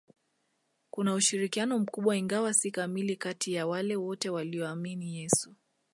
Kuna ushirikiano mkubwa ingawa si kamili kati ya wale wote waliomuamini Yesu